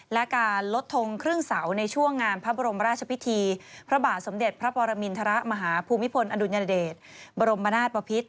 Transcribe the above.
และการลดทงครึ่งเสาในช่วงงานพระบรมราชพิธีพระบาทสมเด็จพระปรมินทรมาฮภูมิพลอดุลยเดชบรมนาศปภิษ